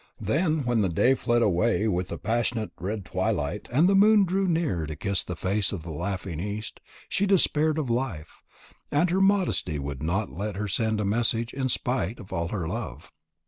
Then when the day fled away with the passionate red twilight, and the moon drew near to kiss the face of the laughing East, she despaired of life, and her modesty would not let her send a message in spite of all her love.